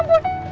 aduh aduh aduh